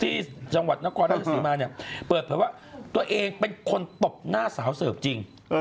ที่จังหวัดนครราชสีมาเนี่ยเปิดเผยว่าตัวเองเป็นคนตบหน้าสาวเสิร์ฟจริง